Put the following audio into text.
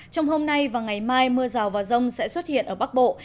trong hôm nay và ngày mai mưa rào và rông sẽ xuất hiện ở bắc bộ